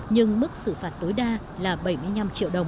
nhưng mức xử phạt tối đa là bảy mươi năm triệu đồng